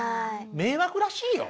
迷惑らしいよ。